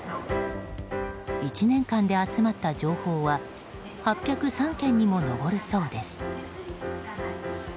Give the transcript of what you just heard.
１年間で集まった情報は８０３件にも上るそうです。